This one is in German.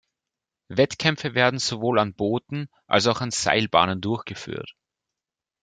Wettkämpfe werden sowohl an Booten als auch an Seilbahnen durchgeführt.